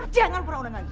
jangan pernah undang undang